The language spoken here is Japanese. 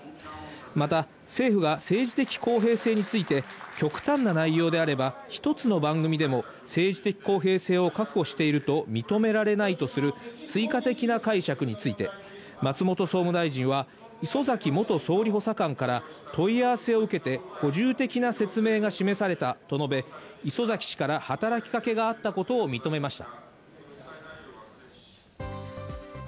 また政府が政治的公平性について極端な内容であれば、一つの番組での政治的公平性を確保していると認められないとする追加的な解釈について、松本総務大臣は礒崎元総理補佐官から問い合わせを受けて補充的な説明が示されたと述べ、礒崎氏から働きかけがあったことを認めました。